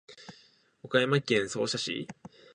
岡山県総社市